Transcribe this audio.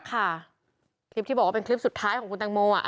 คลิปที่บอกว่าเป็นคลิปสุดท้ายของคุณแตงโมอ่ะ